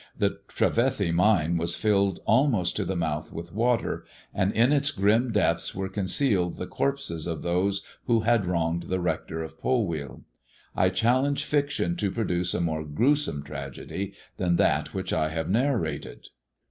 The Trevethy Mine was filled almost to the mouth with water, and in its grim depths were concealed the corpses of those who had wronged the Hector of Polwheal. I challenge Action to produce a more gruesome tragedy than that which I have narrated.